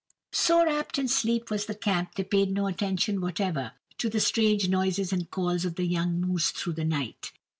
So wrapped in sleep was the camp they paid no attention whatever to the strange noises and calls of the young moose through the night.